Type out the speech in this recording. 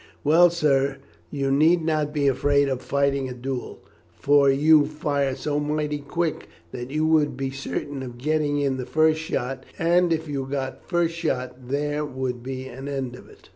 "Well, sir, you need not be afraid of fighting a duel, for you fire so mighty quick that you would be certain of getting in the first shot, and if you got first shot there would be an end of it."